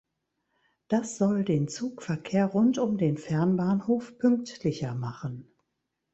Das soll den Zugverkehr rund um den Fernbahnhof pünktlicher machen.